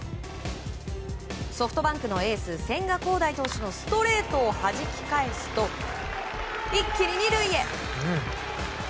ソフトバンクのエース千賀滉大投手のストレートをはじき返すと一気に２塁へ。